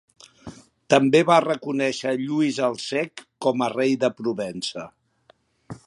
També va reconèixer Lluís el Cec com a rei de Provença.